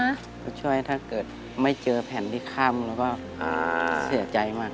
ก็ช่วยถ้าเกิดไม่เจอแผ่นที่ค่ำแล้วก็เสียใจมาก